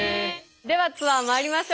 ではツアーまいりましょう。